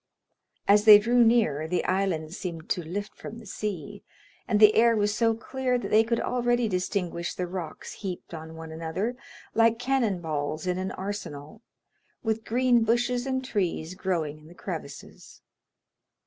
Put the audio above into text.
As they drew near the island seemed to lift from the sea, and the air was so clear that they could already distinguish the rocks heaped on one another, like cannon balls in an arsenal, with green bushes and trees growing in the crevices.